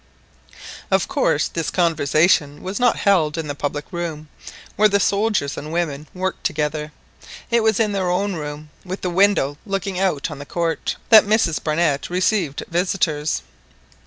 Of course this conversation was not held in the public room, where the soldiers and women worked together. It was in her own room, with the window looking out on the court, that Mrs Barnett received visitors.